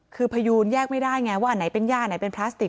คือพยูนแยกไม่ได้ไงว่าอันไหนเป็นย่าไหนเป็นพลาสติก